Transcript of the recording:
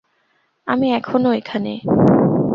আমি এখনো এখানে।